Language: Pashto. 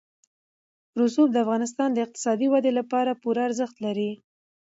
رسوب د افغانستان د اقتصادي ودې لپاره پوره ارزښت لري.